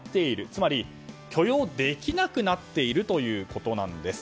つまり許容できなくなっているということなんです。